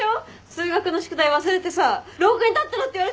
数学の宿題忘れてさ廊下に立ってろって言われたやつでしょ？